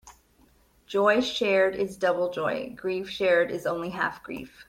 Joy shared is double joy; grief shared is only half grief.